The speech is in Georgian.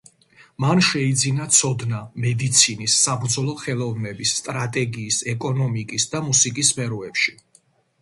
მან შეიძინა ცოდნა მედიცინის, საბრძოლო ხელოვნების, სტრატეგიის, ეკონომიკის და მუსიკის სფეროებში.